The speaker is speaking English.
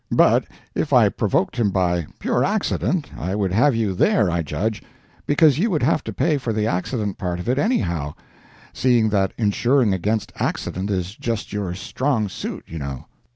But if I provoked him by pure accident, I would have you there, I judge; because you would have to pay for the Accident part of it anyhow, seeing that insuring against accident is just your strong suit, you know.